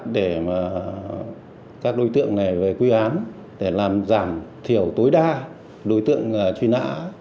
để các đối tượng này về quê án để làm giảm thiểu tối đa đối tượng truy nã